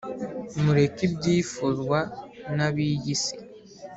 Mureke ibyifuzwa nabiyisi